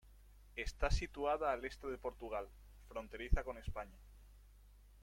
Está situada al este de Portugal, fronteriza con España.